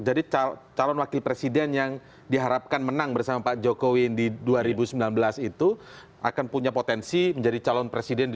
jadi calon wakil presiden yang diharapkan menang bersama pak jokowi di dua ribu sembilan belas itu akan punya potensi menjadi calon presiden di dua ribu dua puluh empat